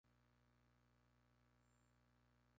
Esta es la única evidencia.